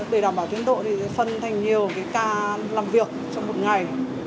để đảm bảo tiến độ thì sẽ phân thành nhiều cái ca làm việc trong một ngày